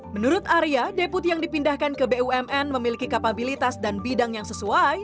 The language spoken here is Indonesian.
menurut arya deputi yang dipindahkan ke bumn memiliki kapabilitas dan bidang yang sesuai